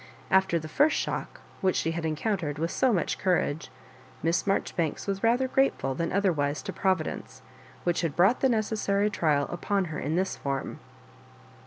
After the first shock, which she had encountered wilh so much courage. Miss Marjo ribanks was rather grateful than otherwise to Providence, which had brought the necessary trial upon her in this form.